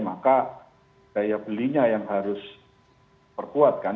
maka daya belinya yang harus perkuatkan